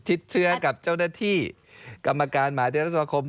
เชื้อกับเจ้าหน้าที่กรรมการหมาเทรสมาคม